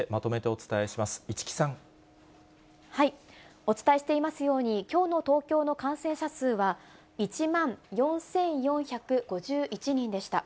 お伝えしていますように、きょうの東京の感染者数は１万４４５１人でした。